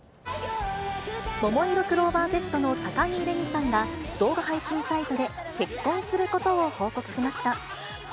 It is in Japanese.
ももいろクローバーＺの高城れにさんが、動画配信サイトで、結婚することを報告しました。